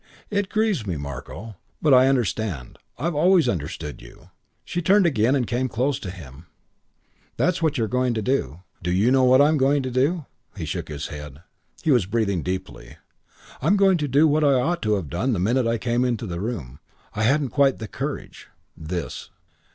"It grieves me, Marko. But I understand. I've always understood you." She turned again and came close to him. "That's what you're going to do. Do you know what I'm going to do?" He shook his head. He was breathing deeply. "I'm going to do what I ought to have done the minute I came into the room. I hadn't quite the courage. This."